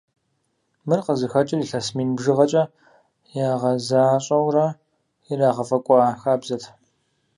Мыр къызыхэкӀыр илъэс мин бжыгъэкӀэ ягъэзащӀэурэ ирагъэфӀэкӀуа хабзэт.